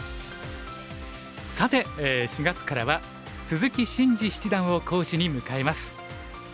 さて４月からは鈴木伸二七段を講師に迎えます。